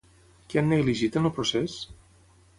Què han negligit en el procés?